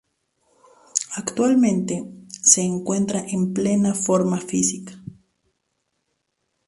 Actualmente, se encuentra en plena forma física.